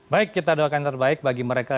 baik kita doakan yang terbaik bagi mereka